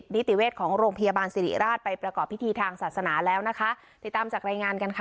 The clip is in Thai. นิติเวชของโรงพยาบาลสิริราชไปประกอบพิธีทางศาสนาแล้วนะคะติดตามจากรายงานกันค่ะ